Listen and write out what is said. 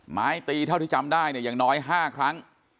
ไม้ตีเท่าที่จำได้เนี่ยอย่างน้อย๕ครั้ง